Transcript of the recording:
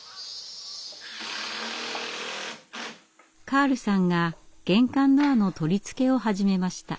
カールさんが玄関ドアの取り付けを始めました。